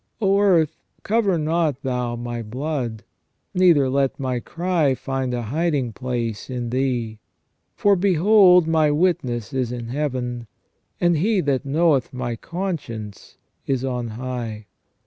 O earth, cover not thou my blood, neither let my cry find a hiding place in thee. For behold my witness is in Heaven, and He that knoweth my conscience is on high.